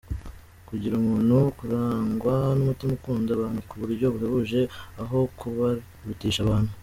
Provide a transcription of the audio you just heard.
Kugira ubumuntu- Kurangwa n’umutima ukunda abantu ku buryo buhebuje aho kubarutisha abantu.